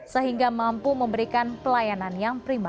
sehingga mampu memberikan pelayanan yang prima